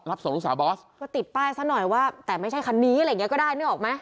ส่งลูกสาวบอสก็ติดป้ายซะหน่อยว่าแต่ไม่ใช่คันนี้อะไรอย่างเงี้ก็ได้นึกออกไหม